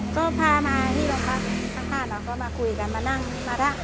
ก็พามาที่โรงพักข้างบ้านเราก็มาคุยกันมานั่งมาได้